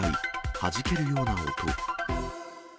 はじけるような音。